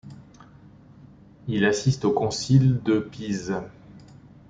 Il assiste au concile de Pise.